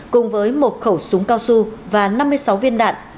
cùng với một khẩu súng cao su và năm mươi sáu viên đạn